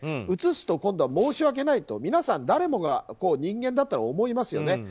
うつすと、今度は申し訳ないと、皆さん誰もが人間だったら思いますよね。